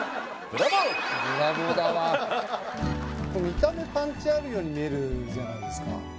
見た目パンチあるように見えるじゃないですか